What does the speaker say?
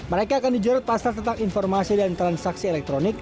mereka akan dijerat pasar tentang informasi dan transaksi elektronik